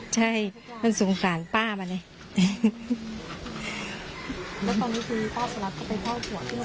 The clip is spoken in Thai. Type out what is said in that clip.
ใช่มันสงสารป้ามาเนี้ยแล้วตอนนี้คือป้าสนับก็ไปเฝ้าหัว